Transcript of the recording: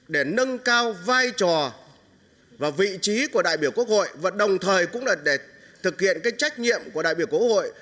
để nâng cao vai trò và vị trí của đại biểu quốc hội và đồng thời cũng là để thực hiện trách nhiệm của đại biểu quốc hội